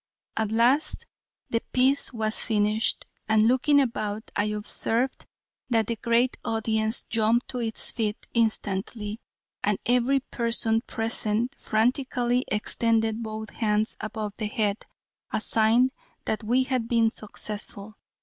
At last the piece was finished, and looking about, I observed that the great audience jumped to its feet instantly, and every person present frantically extended both hands above the head a sign that we had been successful.